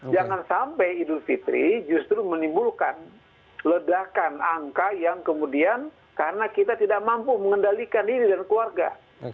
jangan sampai idul fitri justru menimbulkan ledakan angka yang kemudian karena kita tidak mampu mengendalikan diri dan keluarga